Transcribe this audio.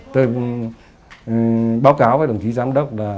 tôi báo cáo với đồng chí giám đốc